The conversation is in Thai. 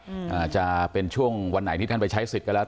อาจจะเป็นช่วงวันไหนที่ท่านไปใช้สิทธิ์ก็แล้ว